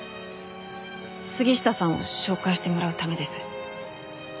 杉下さんを紹介してもらうためです。